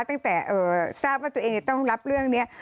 ตั้งแต่ทราบว่าตัวเองจะต้องรับเรื่องนี้